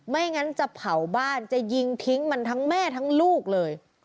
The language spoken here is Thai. ไม่งั้นจะเผาบ้านจะยิงทิ้งมันทั้งแม่ทั้งลูกเลย